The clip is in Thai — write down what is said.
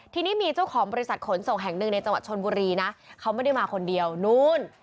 ทีนี้มีเจ้าของบริษัทขนส่งแห่งหนึ่งในจังหวัดชนบุรีนะเขาไม่ได้มาคนเดียวนู้น